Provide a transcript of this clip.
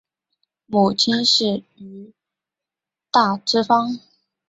母亲是于大之方。